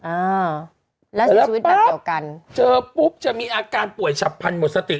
อ่าแล้วเสียชีวิตแบบเดียวกันเจอปุ๊บจะมีอาการป่วยฉับพันธุ